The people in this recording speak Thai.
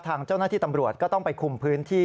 ทางเจ้าหน้าที่ตำรวจก็ต้องไปคุมพื้นที่